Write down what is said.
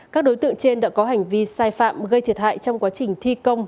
các đối tượng trên đã có hành vi sai phạm gây thiệt hại trong quá trình thi công